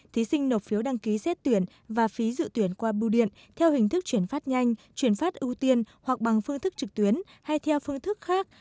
thí sinh nộp phiếu đăng ký xét tuyển và phí dự tuyển qua bưu điện theo hình thức chuyển phát nhanh chuyển phát ưu tiên hoặc bằng phương thức trực tuyến hay theo phương thức khác